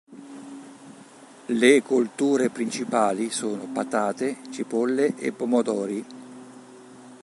Le colture principali sono patate, cipolle e pomodori.